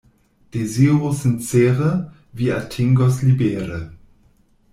Deziru sincere, vi atingos libere.